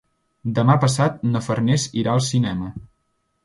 Demà passat na Farners irà al cinema.